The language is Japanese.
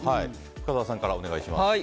深澤さんからお願いします。